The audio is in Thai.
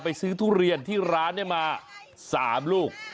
ซื้อทุเรียนที่ร้านมา๓ลูก